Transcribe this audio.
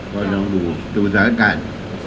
ก็ต้องดูดูสถานการณ์